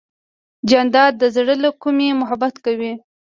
جانداد د زړه له کومې محبت کوي.